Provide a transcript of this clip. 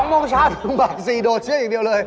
โมงเช้าถึงบ่าย๔โดดเชื่ออย่างเดียวเลย